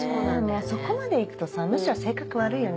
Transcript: そこまでいくとさむしろ性格悪いよね。